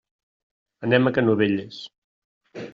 Anem a Canovelles.